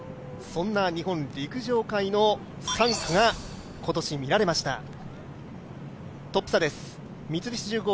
そんな日本陸上界の３区で今年見られました。